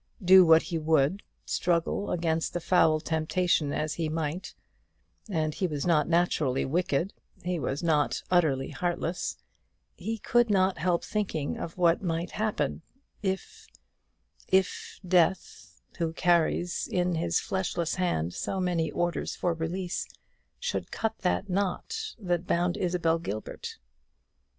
Do what he would, struggle against the foul temptation as he might, and he was not naturally wicked, he was not utterly heartless, he could not help thinking of what might happen if if Death, who carries in his fleshless hand so many orders for release, should cut the knot that bound Isabel Gilbert.